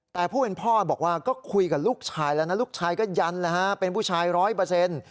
แต่ผู้เป็นพ่อบอกว่าก็คุยกับลูกชายแล้วนะลูกชายก็ยันแล้วฮะเป็นผู้ชายร้อยเปอร์เซ็นต์